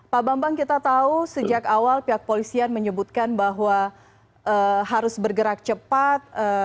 pak bambang kita tahu sejak awal pihak polisian menyebutkan bahwa harus bergerak cepat